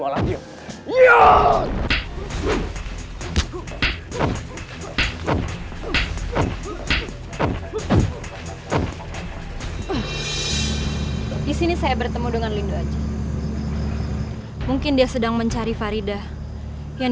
alatnya ya di sini saya bertemu dengan lidu haji mungkin dia sedang mencari faridah yang